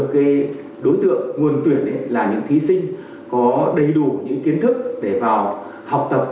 các đối tượng nguồn tuyển là những thí sinh có đầy đủ những kiến thức để vào học tập